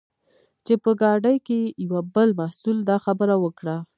چې په ګاډۍ کې یوه بل محصل دا خبره وکړه.